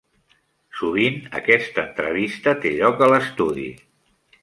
Sovint aquesta entrevista té lloc a l'estudi.